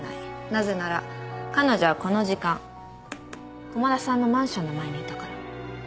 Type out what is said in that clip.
なぜなら彼女はこの時間駒田さんのマンションの前にいたから。